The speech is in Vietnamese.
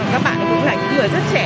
các bạn cũng là những người rất trẻ